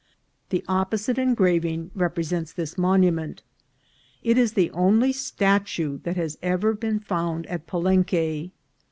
The oppo site engraving represents this monument. It is the only statue that has ever been found at Palenque.